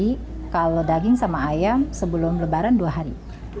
jadi kalau daging sama ayam sebelum lebaran dua hari